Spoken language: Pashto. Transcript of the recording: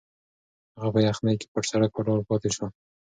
هغه په یخني کې پر سړک ولاړ پاتې شو.